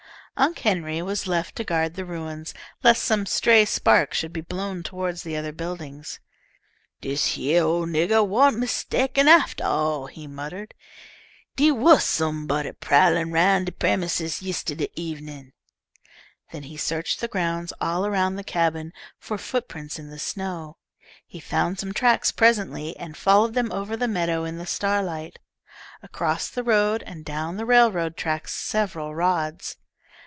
Unc' Henry was left to guard the ruins, lest some stray spark should be blown toward the other buildings. "Dis yere ole niggah wa'n't mistaken aftah all," he muttered. "Dee was somebody prowlin' 'roun' de premises yistiddy evenin'." Then he searched the ground, all around the cabin, for footprints in the snow. He found some tracks presently, and followed them over the meadow in the starlight, across the road, and down the railroad track several rods.